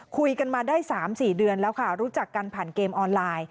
คุยกันมาได้๓๔เดือนแล้วค่ะรู้จักกันผ่านเกมออนไลน์